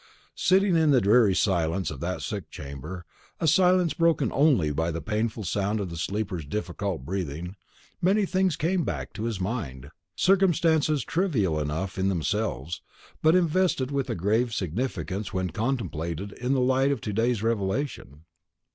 Sitting in the dreary silence of that sick chamber, a silence broken only by the painful sound of the sleeper's difficult breathing, many things came back to his mind; circumstances trivial enough in themselves, but invested with a grave significance when contemplated by the light of today's revelation.